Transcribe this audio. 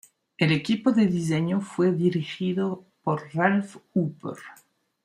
El equipo de diseño fue dirigido por Ralph Hooper.